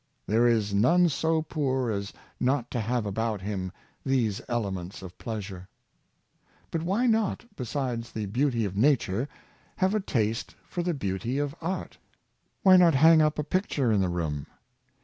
There is none so poor as not to have about him these elernents of pleasure. But why not, besides the beauty of nature, have a taste for the beauty of art? Why not hang up a pict ure in the room?